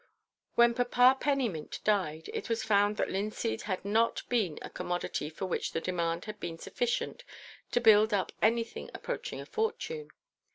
When Papa Pennymint died, it was found that linseed had not been a commodity for which the demand had been sufficient to build up anything approaching a fortune.